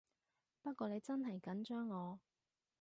不過你真係緊張我